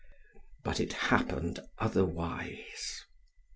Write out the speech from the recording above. But it happened otherwise.